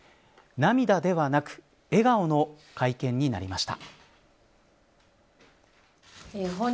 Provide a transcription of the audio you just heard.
涙ではなく笑顔の会見になりました。